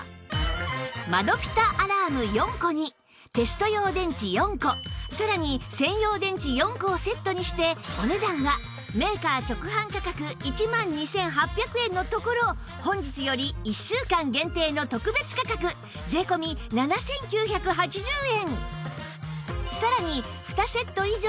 窓ピタッアラーム４個にテスト用電池４個さらに専用電池４個をセットにしてお値段はメーカー直販価格１万２８００円のところ本日より１週間限定の特別価格税込７９８０円！